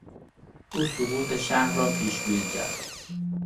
او سقوط شهر را پیشگویی کرد.